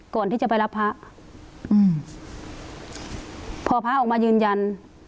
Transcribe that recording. ก่อนที่จะไปรับพระอืมพอพระออกมายืนยัน